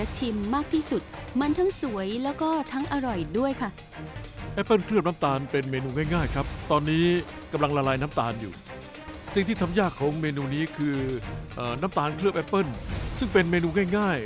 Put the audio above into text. ผมดุคุณเสมอหรือว่าตินู่นนี่